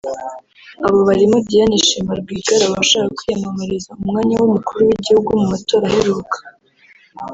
Abo barimo Diane Shima Rwigara washakaga kwiyamamariza umwanya w’umukuru w’igihugu mu mätöra aheruka